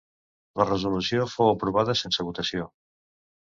La resolució fou aprovada sense votació.